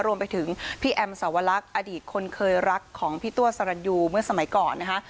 รวมไปถึงพี่แอมสวรรคอดีตคนเคยรักของพี่ตัวสรรยูเมื่อสมัยก่อนนะคะ